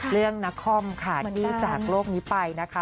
นครค่ะที่จากโลกนี้ไปนะคะ